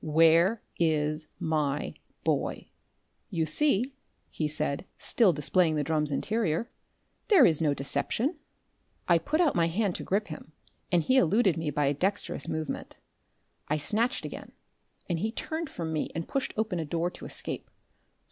"Where is my boy?" "You see," he said, still displaying the drum's interior, "there is no deception " I put out my hand to grip him, and he eluded me by a dexterous movement. I snatched again, and he turned from me and pushed open a door to escape.